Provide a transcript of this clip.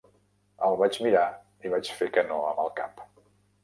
El vaig mirar i vaig fer que no amb el cap.